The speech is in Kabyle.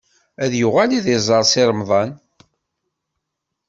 Ad yuɣal ad iẓer Si Remḍan.